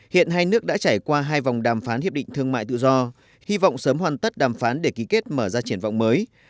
hiện hai nước đã trải qua hai vòng đàm phán hiệp định thương mại tự do hy vọng sớm hoàn tất đàm phán để ký kết mở ra triển vọng mới